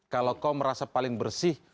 kalau kau merasa paling bersih